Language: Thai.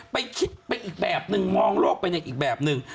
ไปคิดไปอีกแบบนึงมองโลกไปในอีกแบบหนึ่ง